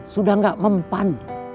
sudah gak mempan